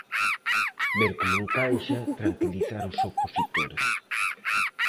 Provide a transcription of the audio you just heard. Ver como encaixa, tranquilizar os opositores.